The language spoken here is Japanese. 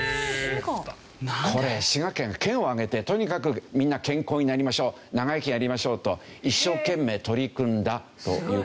これね滋賀県県を挙げてとにかくみんな健康になりましょう長生きやりましょうと一生懸命取り組んだという事ですね。